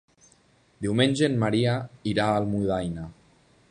Diumenge en Maria irà a Almudaina.